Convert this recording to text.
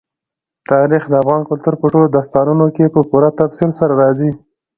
تاریخ د افغان کلتور په ټولو داستانونو کې په پوره تفصیل سره راځي.